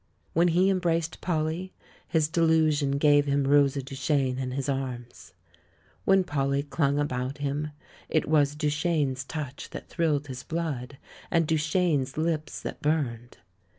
When he embraced Polly, his delusion gave him Rosa Duchene in his arms ; when Polly clung about him it was Duchene's touch that thrilled his blood and Duchene's lips that burned.